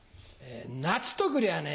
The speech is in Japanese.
夏とくりゃね